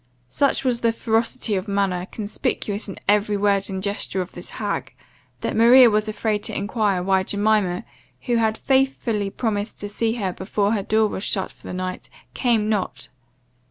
Such was the ferocity of manner, conspicuous in every word and gesture of this hag, that Maria was afraid to enquire, why Jemima, who had faithfully promised to see her before her door was shut for the night, came not?